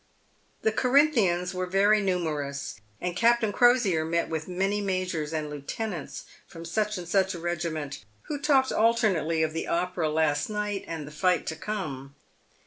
The Corinthians were very numerous, and Captain Crosier met with many majors and lieutenants from such and such a regiment, who talked alternately of the opera last night and the fight to come.